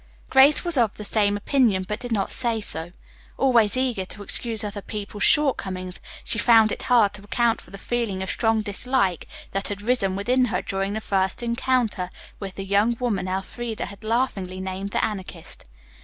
Grace was of the same opinion, but did not say so. Always eager to excuse other people's shortcomings, she found it hard to account for the feeling of strong dislike that had risen within her during her first encounter with the young woman Elfreda had laughingly named the Anarchist.